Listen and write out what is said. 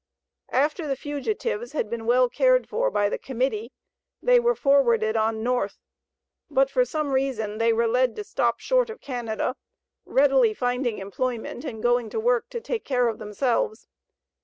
After the fugitives had been well cared for by the Committee, they were forwarded on North; but for some reason they were led to stop short of Canada, readily finding employment and going to work to take care of themselves.